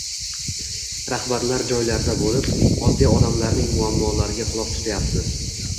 Rahbarlar joylarda bo‘lib, oddiy odamlarning muammolariga quloq tutyapti